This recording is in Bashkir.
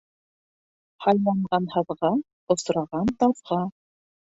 Һайланған һаҙға, осраған таҙға.